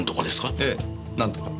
ええなんとか。